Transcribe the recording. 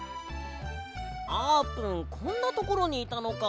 あーぷんこんなところにいたのか！